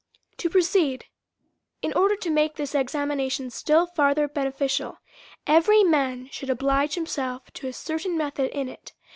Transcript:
To proceed : in order to make this examination still further beneficial, every man should oblige himself to a certain method in it.